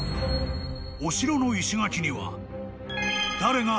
［お城の石垣には］